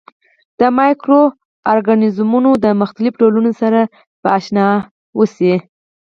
د مایکرو ارګانیزمونو د مختلفو ډولونو سره به آشنايي وشي.